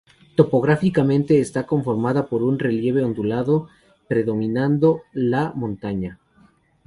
Topográficamente está conformada por un relieve ondulado, predominando la montaña.